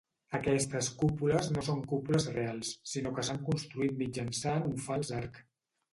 Aquestes cúpules no són cúpules reals, sinó que s'han construït mitjançant un fals arc.